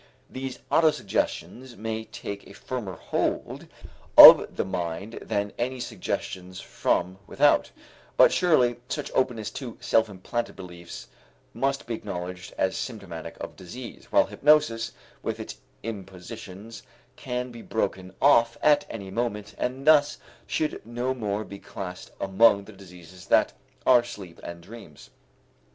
These autosuggestions may take a firmer hold of the mind than any suggestions from without, but surely such openness to selfimplanted beliefs must be acknowledged as symptomatic of disease, while hypnosis with its impositions can be broken off at any moment and thus should no more be classed among the diseases than are sleep and dreams.